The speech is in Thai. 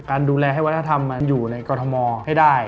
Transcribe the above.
การดูแลให้วัฒนธรรมอยู่ในกรณฑมอลมันให้ได้